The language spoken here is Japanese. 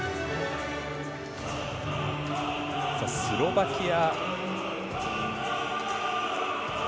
スロバキア。